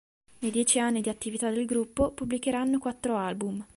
Nei dieci anni di attività del gruppo pubblicheranno quattro album.